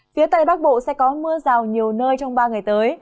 phía tây bắc bộ sẽ có mưa rào nhiều nơi trong ba ngày tới